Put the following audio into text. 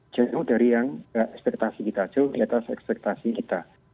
jauh dari yang ekspektasi kita jauh di atas ekspektasi kita